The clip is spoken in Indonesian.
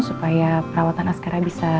supaya perawatan askara bisa